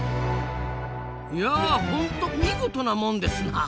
いやホント見事なもんですなあ。